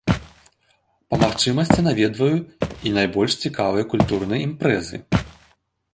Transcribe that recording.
Па магчымасці наведваю і найбольш цікавыя культурныя імпрэзы.